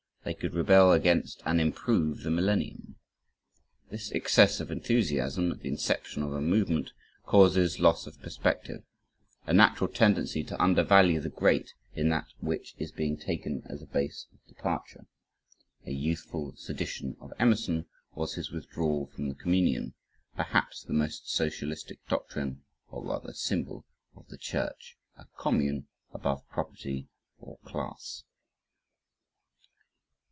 They could rebel against and improve the millennium. This excess of enthusiasm at the inception of a movement, causes loss of perspective; a natural tendency to undervalue the great in that which is being taken as a base of departure. A "youthful sedition" of Emerson was his withdrawal from the communion, perhaps, the most socialistic doctrine (or rather symbol) of the church a "commune" above property or class.